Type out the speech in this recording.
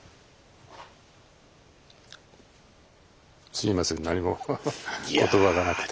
すいません何も言葉がなくて。